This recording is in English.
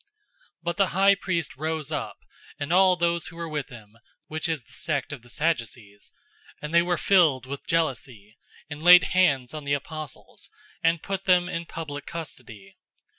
005:017 But the high priest rose up, and all those who were with him (which is the sect of the Sadducees), and they were filled with jealousy, 005:018 and laid hands on the apostles, and put them in public custody.